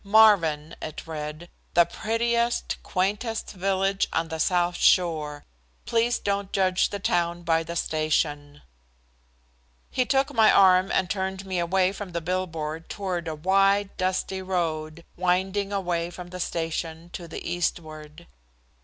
"Marvin," it read, "the prettiest, quaintest village on the south shore. Please don't judge the town by the station." He took my arm and turned me away from the billboard toward a wide, dusty road winding away from the station to the eastward.